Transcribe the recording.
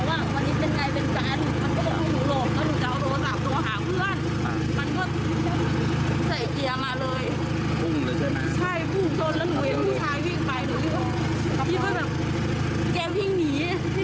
แกวิ่งหนีที่ไหนร่าแกโดนตรงนี้